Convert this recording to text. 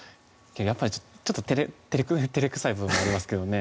やっぱりちょっとてれてれくさい部分ありますけどね